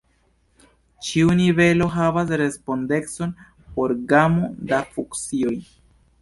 Ĉiu nivelo havas respondecon por gamo da funkcioj.